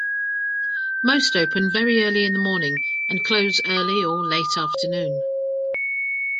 Most open very early in the morning and close early or late afternoon.